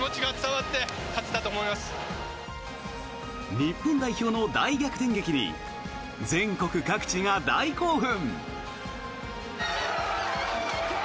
日本代表の大逆転劇に全国各地が大興奮！